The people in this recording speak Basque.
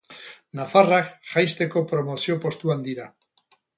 Nafarrak jaisteko promozio postuan dira.